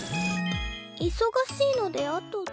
忙しいので後で